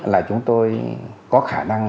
là chúng tôi có khả năng